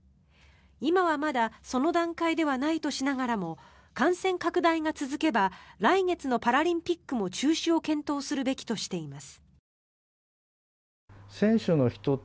今はまだその段階ではないとしながらも感染拡大が続けば来月のパラリンピックも中止を検討するべきとしています。